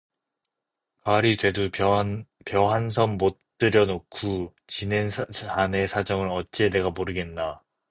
가을이 돼두 벼 한 섬 못 들여놓구 지낸 자네 사정을 어째 내가 모르겠나.